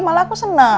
malah aku senang